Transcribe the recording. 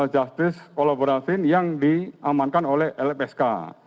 justice collaboration yang diamankan oleh lpsk